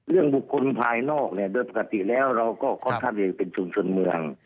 เรื่องบุคคลภายนอกเนี่ยโดยปกติแล้วเราก็เขาทำเองเป็นชุมชนเมือง